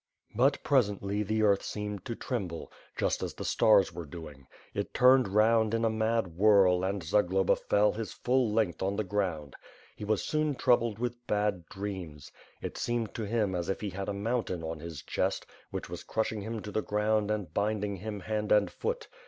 But^ presently, the earth seemed to tremble, just as the stars were doing. It turned round in a mad whirl, and Za globa fell his full length on the ground. He was soon troubled with bad dreams. It seemed to him as if he had a mountaJD on his chest, which was crushing him to the ground and bind ing him hand and foot.